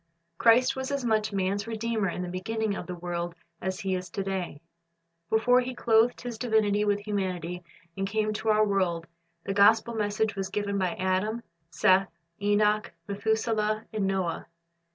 Christ was as much man's Redeemer in the beginning of the world as He is to day. Before He clothed His divinity with humanity and came to our world, the gospel message was given by Adam, Seth, Enoch, Methuselah, and Noah.